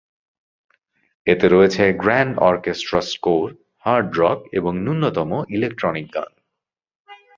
এতে রয়েছে grand orchestra score, hard rock এবং ন্যূনতম ইলেকট্রনিক গান।